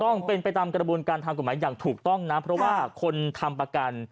ต้องเป็นไปตามกระบวนการทางกฎหมายอย่างถูกต้องนะเพราะว่าคนทำประกัน